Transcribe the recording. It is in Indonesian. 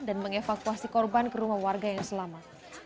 dan mengevakuasi korban ke rumah warga yang selama